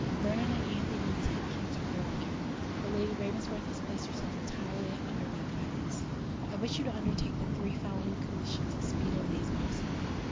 Vernon and Anthony Tidkins are both here; but Lady Ravensworth has placed herself entirely under my guidance. "I wish you to undertake the three following commissions as speedily as possible.